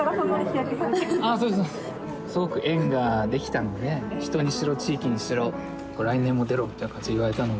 すごく縁ができたので人にしろ地域にしろ来年も出ろみたいな感じで言われたので。